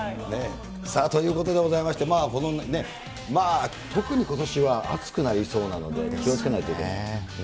さあ、ということでございまして、特にことしは暑くなりそうなので、気をつけないといけない。